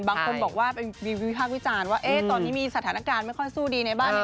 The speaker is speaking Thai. บางคนบอกว่าเป็นวิพากษ์วิจารณ์ว่าตอนนี้มีสถานการณ์ไม่ค่อยสู้ดีในบ้านนี้